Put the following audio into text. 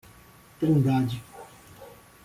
Trindade